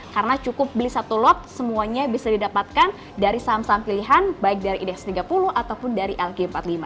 karena cukup beli satu lot semuanya bisa didapatkan dari saham saham pilihan baik dari idx tiga puluh ataupun dari lk empat puluh lima